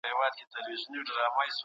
موږ بايد د رڼا په لور ولاړ سو.